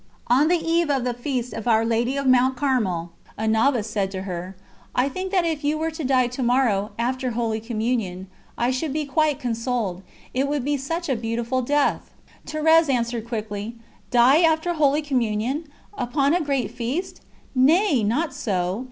On the eve of the feast of Our Lady of Mount Carmel, a novice said to her: "I think that if you were to die to morrow, after Holy Communion, I should be quite consoled it would be such a beautiful death!" Thérèse answered quickly: "Die after Holy Communion! Upon a great feast! Nay, not so.